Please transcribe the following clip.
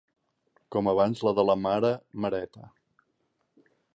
Com abans la de la mare mareta.